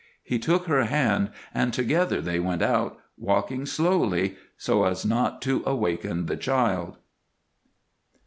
He took her hand and together they went out, walking slowly so as not to awaken the child.